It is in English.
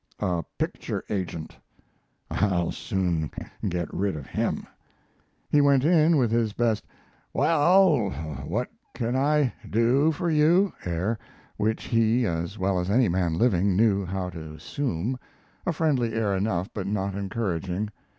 A picture agent. I'll soon get rid of him." He went in with his best, "Well, what can I do for you?" air, which he, as well as any man living, knew how to assume; a friendly air enough, but not encouraging.